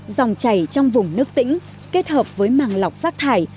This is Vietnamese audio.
dòng chảy trong vùng nước tĩnh kết hợp với màng lọc rác thải